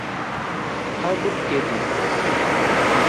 How good Kate is!